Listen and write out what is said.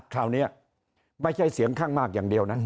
คราวนี้ไม่ใช่เสียงข้างมากอย่างเดียวนะ